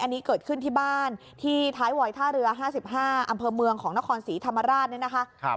ที่เกิดขึ้นที่บ้านที่ท้ายวอยท่าเรือ๕๕อมของนครศรีธรรมราช